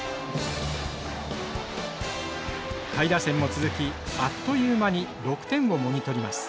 下位打線も続きあっという間に６点をもぎ取ります。